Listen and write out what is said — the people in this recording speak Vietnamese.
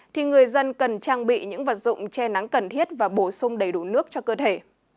thì người dân cần trang bị những vật dụng che nắng cần thiết và bổ sung đầy đủ nước cho cơ thể